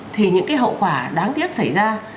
thì những cái hậu quả đáng tiếc xảy ra